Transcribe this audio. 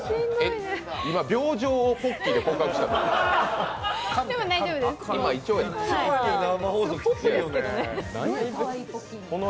病状をポッキーで告白したの？